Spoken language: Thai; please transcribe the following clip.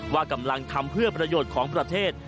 ว่ากำลังทำเพื่อประโยชน์ของประเทศ